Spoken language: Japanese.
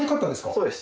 そうです。